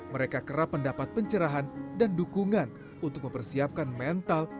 mereka kerap mendapat pencerahan dan dukungan untuk mempersiapkan mental